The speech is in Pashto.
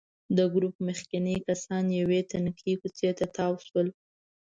د ګروپ مخکېني کسان یوې تنګې کوڅې ته تاو شول.